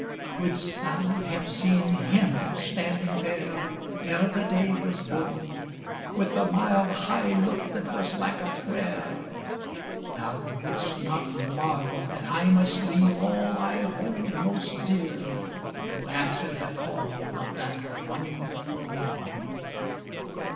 Coulds't thou have seen Him standing there Ere the day was born, With the mild high look that was like a prayer, Thou woulds't not marvel that I must leave all I hold most dear to answer the call Of that wonderful morn.